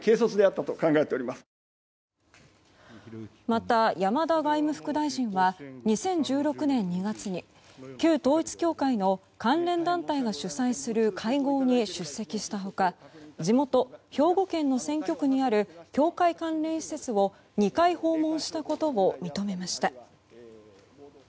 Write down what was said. また、山田外務副大臣は２０１６年２月に旧統一教会の関連団体が主催する会合に出席した他地元・兵庫県の選挙区にある教会関連施設を２回訪問したことを認めました。